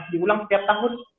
dibulang setiap tahun